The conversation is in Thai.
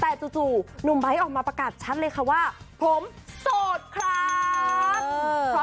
แต่จู่หนุ่มไบท์ออกมาประกาศชัดเลยค่ะว่าผมโสดครับ